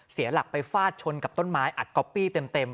เสียหลักไปฟาดชนกับต้นไม้อัดก๊อปปี้เต็ม